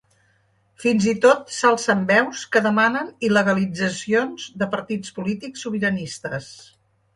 Fins i tot s’alcen veus que demanen il·legalitzacions de partits polítics sobiranistes.